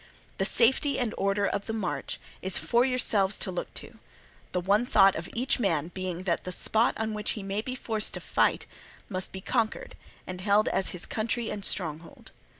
The safety and order of the march is for yourselves to look to; the one thought of each man being that the spot on which he may be forced to fight must be conquered and held as his country and stronghold.